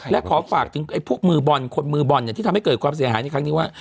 และขอฝากถึงพวกมือบอลคนมือบอลที่ทำให้เกิดความเสียหายในครั้งนี้ว่า